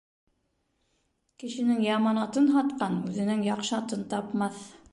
Кешенең яманатын һатҡан үҙенең яҡшатын тапмаҫ.